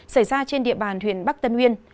xảy ra trên địa bàn huyện bắc tân nguyên